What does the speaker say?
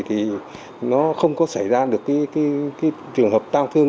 thì nó không có xảy ra được cái trường hợp tang thương